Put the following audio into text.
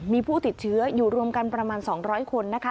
มีผู้ติดเชื้ออยู่รวมกันประมาณ๒๐๐คนนะคะ